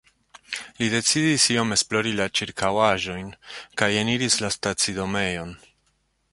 Li decidis iom esplori la ĉirkaŭaĵojn, kaj eniris la stacidomejon.